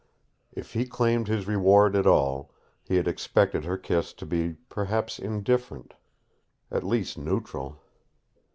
If he claimed his reward at all, he had expected her kiss to be perhaps indifferent, at least neutral.